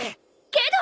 けど。